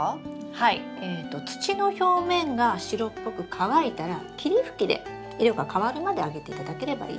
えと土の表面が白っぽく乾いたら霧吹きで色が変わるまであげていただければいいです。